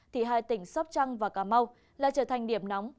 thì hai tỉnh sóc trăng và cà mau lại trở thành điểm nóng